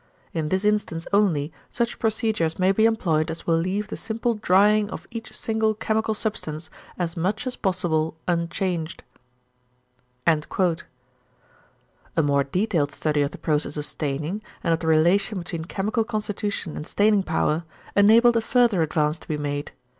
In this instance only such procedures may be employed as will leave the simple drying of each single chemical substance as much as possible unchanged." A more detailed study of the process of staining, and of the relation between chemical constitution and staining power, enabled a further advance to be made.